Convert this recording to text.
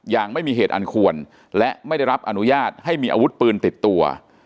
อย่างไม่มีเหตุอันควรและไม่ได้รับอนุญาตให้มีอาวุธปืนติดตัว